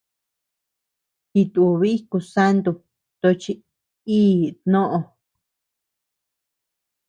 Jitubiy kusanto tochi íʼ tnoʼö.